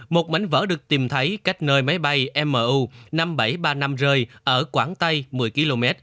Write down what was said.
một mảnh vỡ được tìm thấy cách nơi máy bay mu năm nghìn bảy trăm ba mươi năm rơi ở quảng tây một mươi km